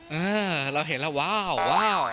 เห้อเราเห็นแล้ววาว